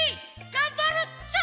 がんばるぞ！